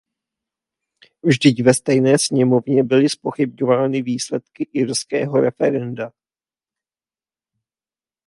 Vždyť ve stejné sněmovně byly zpochybňovány výsledky irského referenda.